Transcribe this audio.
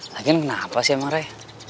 lagi kan kenapa sih sama rai